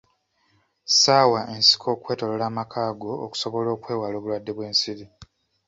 Ssaawa ensiko okwetoloola amaka go okusobola okwewala obulwadde bw'ensiri.